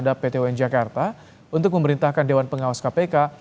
saya tidak tahu juga alasan mendesak apa itu